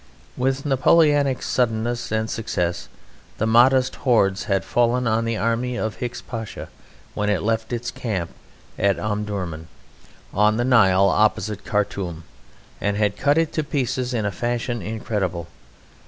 With Napoleonic suddenness and success the Mahdist hordes had fallen on the army of Hicks Pasha, when it left its camp at Omdurman, on the Nile opposite Khartoum, and had cut it to pieces in a fashion incredible.